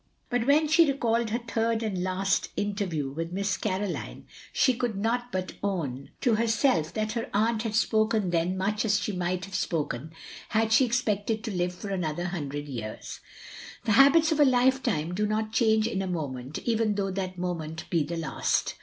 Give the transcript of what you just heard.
But when she recalled her third and last inter view with Miss Caroline, she could not but own S8 THE LONELY LADY to herself that her aunt had spoken then much as she might have spoken had she expected to live for another hundred years. The habits of a life time do not change in a moment, even though that moment be the last.